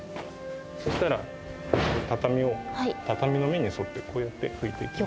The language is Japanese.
そしたら畳の目に沿ってこうやって拭いていきます。